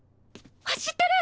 知ってる！